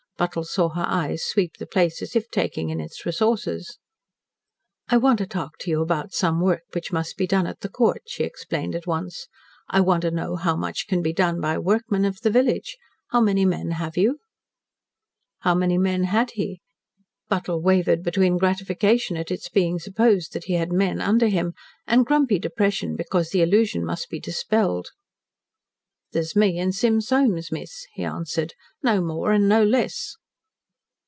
Buttle saw her eyes sweep the place as if taking in its resources. "I want to talk to you about some work which must be done at the Court," she explained at once. "I want to know how much can be done by workmen of the village. How many men have you?" "How many men had he?" Buttle wavered between gratification at its being supposed that he had "men" under him and grumpy depression because the illusion must be dispelled. "There's me and Sim Soames, miss," he answered. "No more, an' no less."